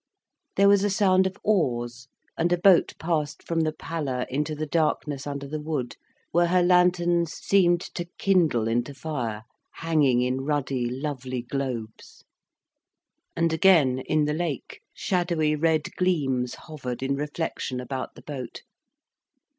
There was a sound of oars, and a boat passed from the pallor into the darkness under the wood, where her lanterns seemed to kindle into fire, hanging in ruddy lovely globes. And again, in the lake, shadowy red gleams hovered in reflection about the boat.